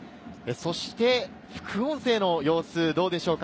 そして副音声の様子どうでしょうか？